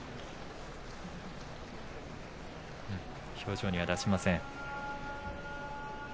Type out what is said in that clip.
表情には出しません。